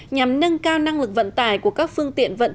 nhằm nâng cao năng lực vận tải của các phương tiện vận chuyển